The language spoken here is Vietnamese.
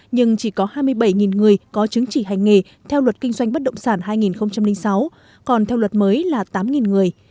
nhưng chỉ có hai mươi bảy người có chứng chỉ hành nghề theo luật kinh doanh bất động sản hai nghìn sáu còn theo luật mới là tám người